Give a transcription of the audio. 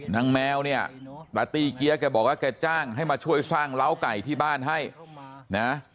แมวเนี่ยปาร์ตี้เกี๊ยแกบอกว่าแกจ้างให้มาช่วยสร้างเล้าไก่ที่บ้านให้นะ